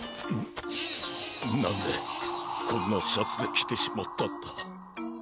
なんでこんなシャツできてしまったんだ。